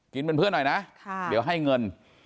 เป็นเพื่อนหน่อยนะเดี๋ยวให้เงิน